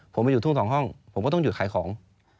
ผมไปอยู่ทุ่ง๒ห้องผมก็ต้องหยุดขายของ